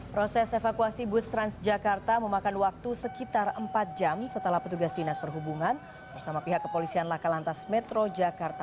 proses evakuasi bus transjakarta memakan waktu sekitar empat jam setelah petugas dinas perhubungan bersama pihak kepolisian laka lantas metro jakarta